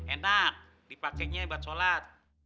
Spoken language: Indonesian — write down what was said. enak dipakenya buat sholat